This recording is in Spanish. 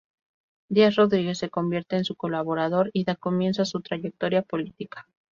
Díaz Rodríguez se convierte en su colaborador y da comienzo a su trayectoria política.